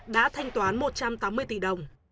đã thanh toán một trăm tám mươi tỷ đồng